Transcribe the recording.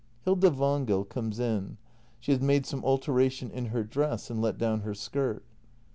Hilda Wangel comes in. She has made some alter ation in her dress, and let down her skirt.